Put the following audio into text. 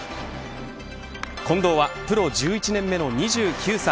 近藤はプロ１１年目の２９歳。